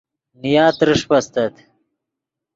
نیا ترݰپ استت